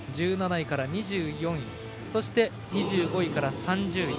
１７位から２４位そして２７位から３０位。